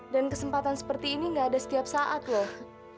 dan kesempatan seperti ini gak ada setiap saat loh